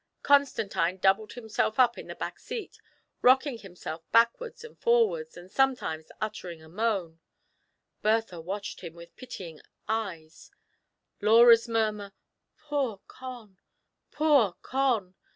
Constantine doubled himself up in the back seat, rocking himself backwards and forwards, and sometimes uttering a moan ; Bertha watched him with pitying eyes; Laura's murmur, "Poor Con! poor Con!"